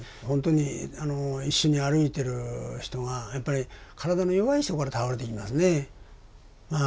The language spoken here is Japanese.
本当に一緒に歩いてる人がやっぱり体の弱い人から倒れていきますね。